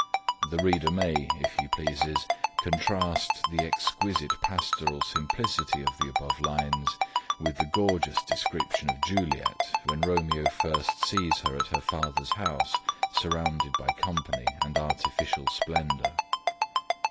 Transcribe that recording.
The reader may, if he pleases, contrast the exquisite pastoral simplicity of the above lines with the gorgeous description of Juliet when Romeo first sees her at her father's house, surrounded by company and artificial splendour.